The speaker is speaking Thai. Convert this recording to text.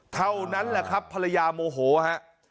เท่านั้นแหละครับภรรยาโมโหฮะ